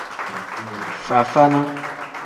Fafana.